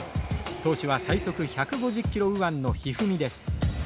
投手は最速１５０キロ右腕の一二三です。